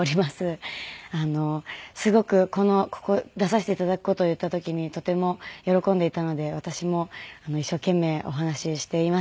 すごくここ出させて頂く事を言った時にとても喜んでいたので私も一生懸命お話ししています。